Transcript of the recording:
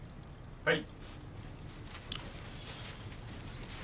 はい。